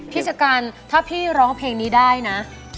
ชะกันถ้าพี่ร้องเพลงนี้ได้นะ